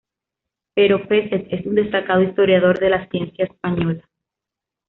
Pero Peset es un destacado historiador de la ciencia española.